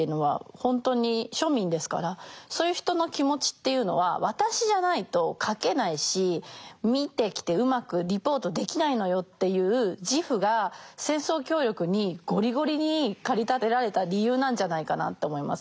そういう人の気持ちっていうのは私じゃないと書けないし見てきてうまくリポートできないのよっていう自負が戦争協力にゴリゴリに駆り立てられた理由なんじゃないかなって思います。